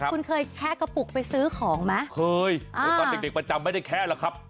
คุณเคยแค่กระบุกไปซื้อของมั้ยอ๋อเด็กประจำไม่ได้แค่หรือครับ